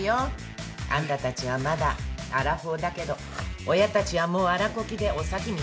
あんたたちはまだアラフォーだけど親たちはもうアラ古希でお先短いんだから。